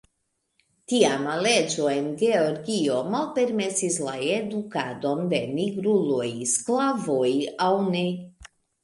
Tiama leĝo en Georgio malpermesis la edukadon de nigruloj, sklavoj aŭ ne.